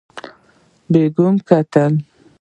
بیکونه یې کتل.